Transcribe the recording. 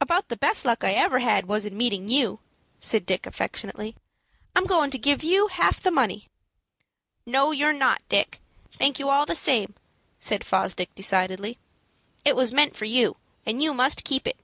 "About the best luck I ever had was in meeting you," said Dick, affectionately. "I'm goin' to give you half the money." "No, you're not, Dick. Thank you all the same," said Fosdick, decidedly. "It was meant for you, and you must keep it.